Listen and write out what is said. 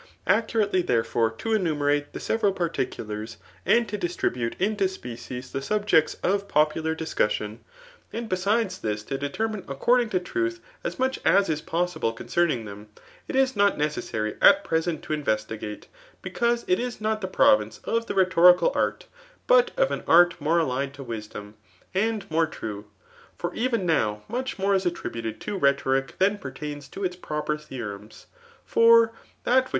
Accurately, therefore, to enumerate the several parti culars, and to distribute into species the subjects of po pular discussion ; and besides this, to determine accord ing to truth as much as is possible concerning them, it is not necessary at present to investigate, because it is not the province of the rhetorical art, but of an art more allied to wisdom, and more true ; for even now much more is attributed to rhetoric than pertains to its proper theorems. For that which